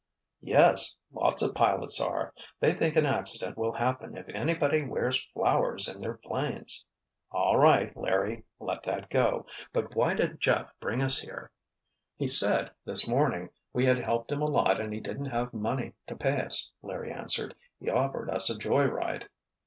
"Yes. Lots of pilots are—they think an accident will happen if anybody wears flowers in their 'planes——" "All right, Larry, let that go. But why did Jeff bring us here?" "He said, this morning, we had helped him a lot and he didn't have money to pay us," Larry answered. "He offered us a joy ride."